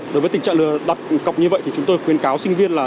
đối với tình trạng đặt cọc như vậy thì chúng tôi khuyến cáo sinh viên là